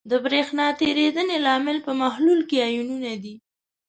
د برېښنا تیریدنې لامل په محلول کې آیونونه دي.